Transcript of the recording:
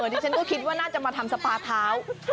ดิฉันก็คิดว่าน่าจะมาทำสปาเท้า